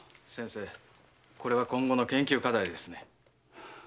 先生これは今後の研究課題ですね。